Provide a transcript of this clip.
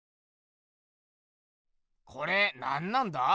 これなんなんだ？